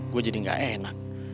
gue jadi gak enak